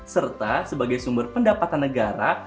serta sebagai sumber pendapatan negara